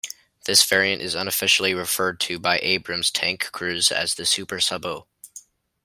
This variant is unofficially referred to by Abrams tank crews as the "super sabot".